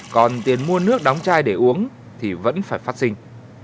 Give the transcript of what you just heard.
còn tiền mua nước đóng chai để uống thì vẫn phải phát sinh